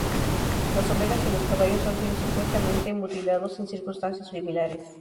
Las ovejas y los caballos han sido supuestamente mutilados en circunstancias similares.